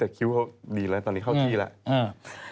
แต่คิ้วเขาดีแล้วตอนนี้เข้าที่แล้ว